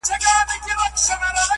نه په منځ كي خياطان وه نه ټوكران وه؛